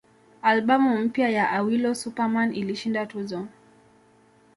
Albamu mpya ya Awilo Super Man ilishinda tuzo